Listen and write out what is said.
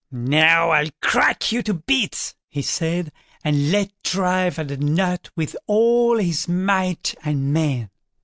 "Now, I'll crack you to bits", he said, and let drive at the nut with all his might and main.